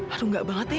aduh nggak banget ya